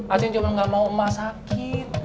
aceh cuma gak mau emak sakit